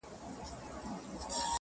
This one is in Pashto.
هري خوا ته يې سكروټي غورځولي-